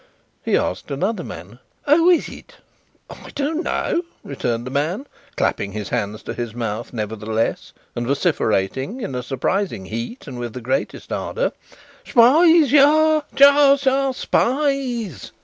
He asked another man. "Who is it?" "I don't know," returned the man, clapping his hands to his mouth nevertheless, and vociferating in a surprising heat and with the greatest ardour, "Spies! Yaha! Tst, tst! Spi ies!"